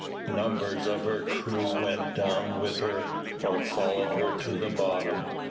Numbers of her crew went down with her or followed her to the bottom.